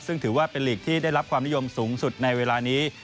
ซึ่งถือว่าเป็นลีกที่ได้รับความนิยมสูงสุดในเวลานี้